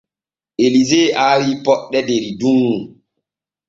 Elise aawi poɗɗe der dunŋu.